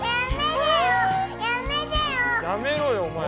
やめろよお前ら。